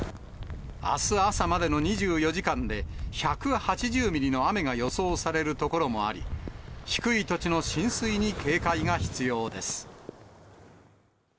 あす朝までの２４時間で、１８０ミリの雨が予想される所もあり、低い土地の浸水に警戒が必要です。